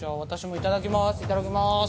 いただきます。